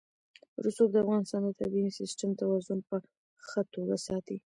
رسوب د افغانستان د طبعي سیسټم توازن په ښه توګه ساتي.